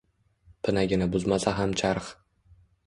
Pinagini buzmasa ham charx